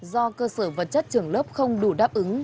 do cơ sở vật chất trường lớp không đủ đáp ứng